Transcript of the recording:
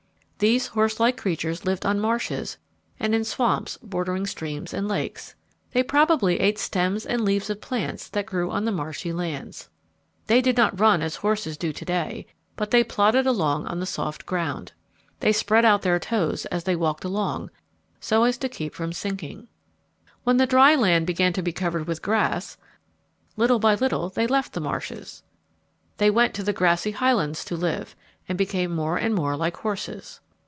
These horse like creatures lived on marshes and in swamps bordering streams and lakes. They probably ate stems and leaves of plants that grew on the marshy lands. They did not run as horses do to day, but they plodded along on the soft ground. They spread out their toes as they walked along, so as to keep from sinking. When the dry land began to be covered with grass, little by little they left the marshes. They went to the grassy highlands to live, and became more and more like horses.